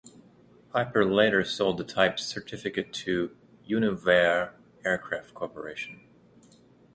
Piper later sold the type certificate to Univair Aircraft Corporation.